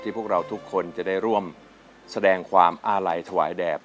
พวกเราทุกคนจะได้ร่วมแสดงความอาลัยถวายแด่